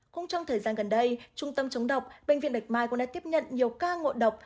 cũng trong thời gian gần đây trung tâm chống độc bệnh viện bạch mai cũng đã tiếp nhận nhiều ca ngộ độc